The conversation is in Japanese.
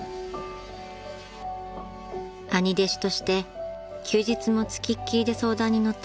［兄弟子として休日もつきっきりで相談に乗ってきた］